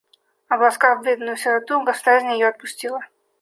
Обласкав бедную сироту, государыня ее отпустила.